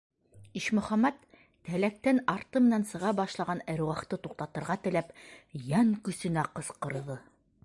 - Ишмөхәмәт, тәләктән арты менән сыға башлаған әруахты туҡтатырға теләп, йән көсөнә ҡысҡырҙы.